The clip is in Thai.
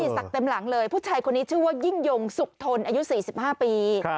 เต็มหลังเลยผู้ชายคนนี้ชื่อว่ายิ่งยงสุขทนอายุ๔๕ปี